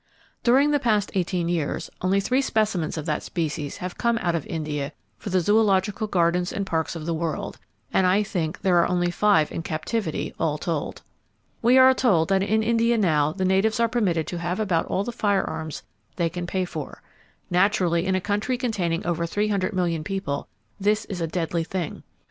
During the past eighteen years, only three specimens of that species have come out of India for the zoological gardens and parks of the world, and I think there are only five in captivity, all told. We are told that in India now the natives are permitted to have about all the firearms they can pay for. Naturally, in a country containing over 300,000,000 people this is a deadly thing.